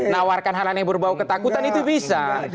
nawarkan hal hal yang berbau ketakutan itu bisa